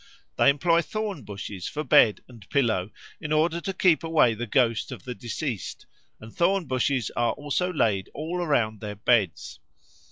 They employ thorn bushes for bed and pillow, in order to keep away the ghost of the deceased; and thorn bushes are also laid all around their beds.